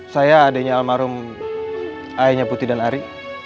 saya adiknya almarhum ayahnya putih dan ari